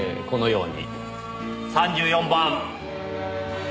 このように３４番！